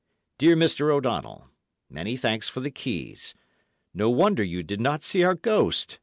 Dear Mr. O'Donnell, Many thanks for the keys. No wonder you did not see our ghost!